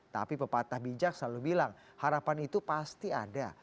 tapi pepatah bijak selalu bilang harapan itu pasti ada